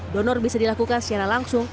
donor bisa dilakukan secara langsung